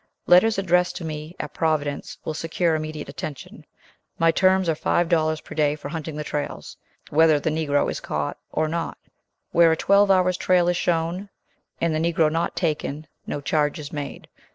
Letters addressed to me at Providence will secure immediate attention. My terms are five dollars per day for hunting the trails, whether the Negro is caught or not. Where a twelve hours' trail is shown, and the Negro not taken, no charge is made.